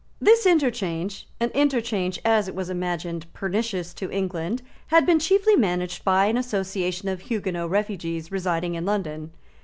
This interchange, an interchange, as it was imagined, pernicious to England, had been chiefly managed by an association of Huguenot refugees, residing in London.